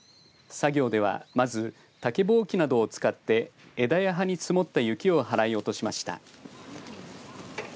作業ではまず竹ぼうきなどを使って枝や葉に積もった雪を払い落としました。